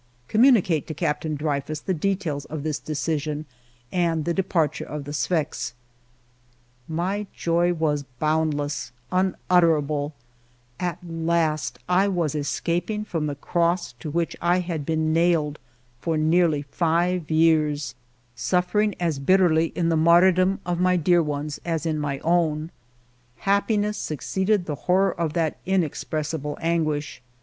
" Communicate to Captain Dreyfus the details of this decision and the departure of the Sfax." My joy was boundless, unutterable. At last I was escaping from the cross to which I had been nailed for nearly five years, suffering as bitterly in In the French colony of Martinique in the West Indies. ALFRED DREYFUS 293 the martyrdom of my dear ones as in my own. Happiness succeeded the horror of that inexpres sible anguish.